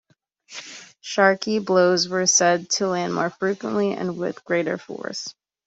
Sharkey's blows were said to land more frequently and with greater force.